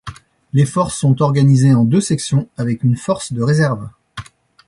Les forces sont organisées en deux sections avec une force de réserve.